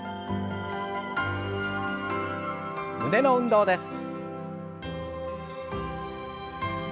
胸の運動です。